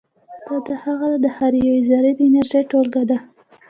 دا د هغه د هرې یوې ذرې د انرژي ټولګه ده.